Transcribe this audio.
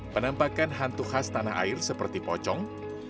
penampakan hantu khas tanah air seperti pocong